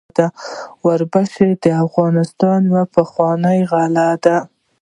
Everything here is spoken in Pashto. وربشې د افغانستان یوه پخوانۍ غله ده.